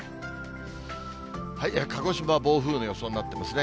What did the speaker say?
鹿児島は暴風雨の予想になってますね。